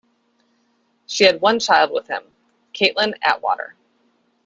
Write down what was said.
She had one child with him, Caitlin Atwater.